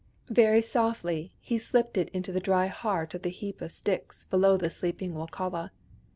Very softly he slipped it into the dry heart of the heap of sticks below the sleeping Wokala.